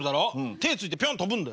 手ついてピョン跳ぶんだよ。